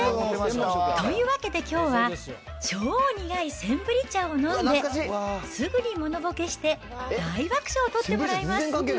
というわけできょうは、超苦いセンブリ茶を飲んで、すぐにモノボケして、大爆笑を取ってもらいます。